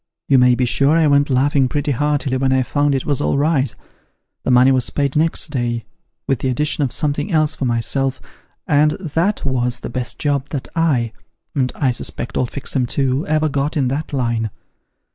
You may be sure I went laughing pretty hearty when I found it was all right. The money was paid next day, with the addition of something else for myself, and that was the best job that I (and I suspect old Fixem too) ever got in that line.